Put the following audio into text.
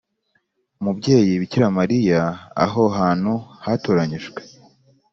umubyeyi bikira mariya. aho hantu hatoranyijwe